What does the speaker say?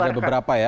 ada beberapa ya